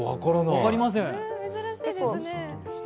分かりません。